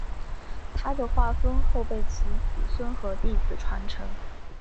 他的画风后被其子孙和弟子传承。